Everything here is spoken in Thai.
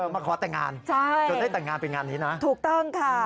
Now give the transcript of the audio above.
มาขอแต่งงานจนได้แต่งงานเป็นงานนี้นะถูกต้องค่ะ